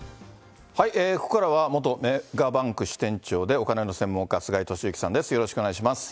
ここからは元メガバンク支店長でお金の専門家、菅井敏之さんです、よろしくお願いします。